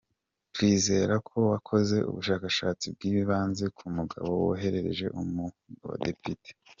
Twizera ko wakoze ubushakashatsi bw’ibanze ku mugabo woherereje umutwe w’abadepite.”